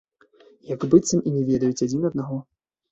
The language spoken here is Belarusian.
Як быццам і не ведаюць адзін аднаго.